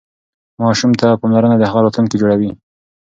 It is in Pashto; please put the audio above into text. ماسوم ته پاملرنه د هغه راتلونکی جوړوي.